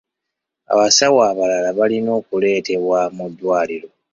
Abasawo abalala balina okuleetebwa mu ddwaliro.